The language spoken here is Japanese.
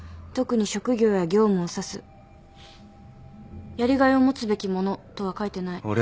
特に職業や業務を指す」やりがいを持つべきものとは書いてない。